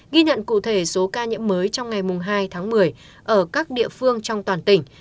ghi nhận cụ thể số ca nhiễm mới trong ngày hai tháng một mươi ở các địa phương trong toàn tỉnh